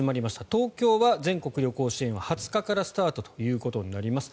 東京は全国旅行支援は２０日からスタートとなります。